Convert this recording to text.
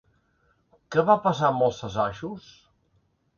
Què va passar amb els assajos?